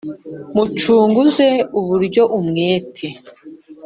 mucunguze uburyo umwete